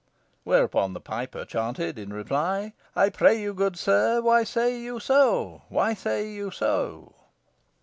Whereupon the piper chanted in reply, "I pray you, good sir, why say you so why say you so?"